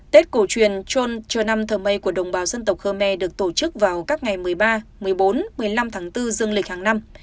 tết cổ truyền trôn chờ năm thờ mây của đồng bào dân tộc khơ me được tổ chức vào các ngày một mươi ba một mươi bốn một mươi năm tháng bốn dương lịch hàng năm